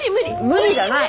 無理じゃない。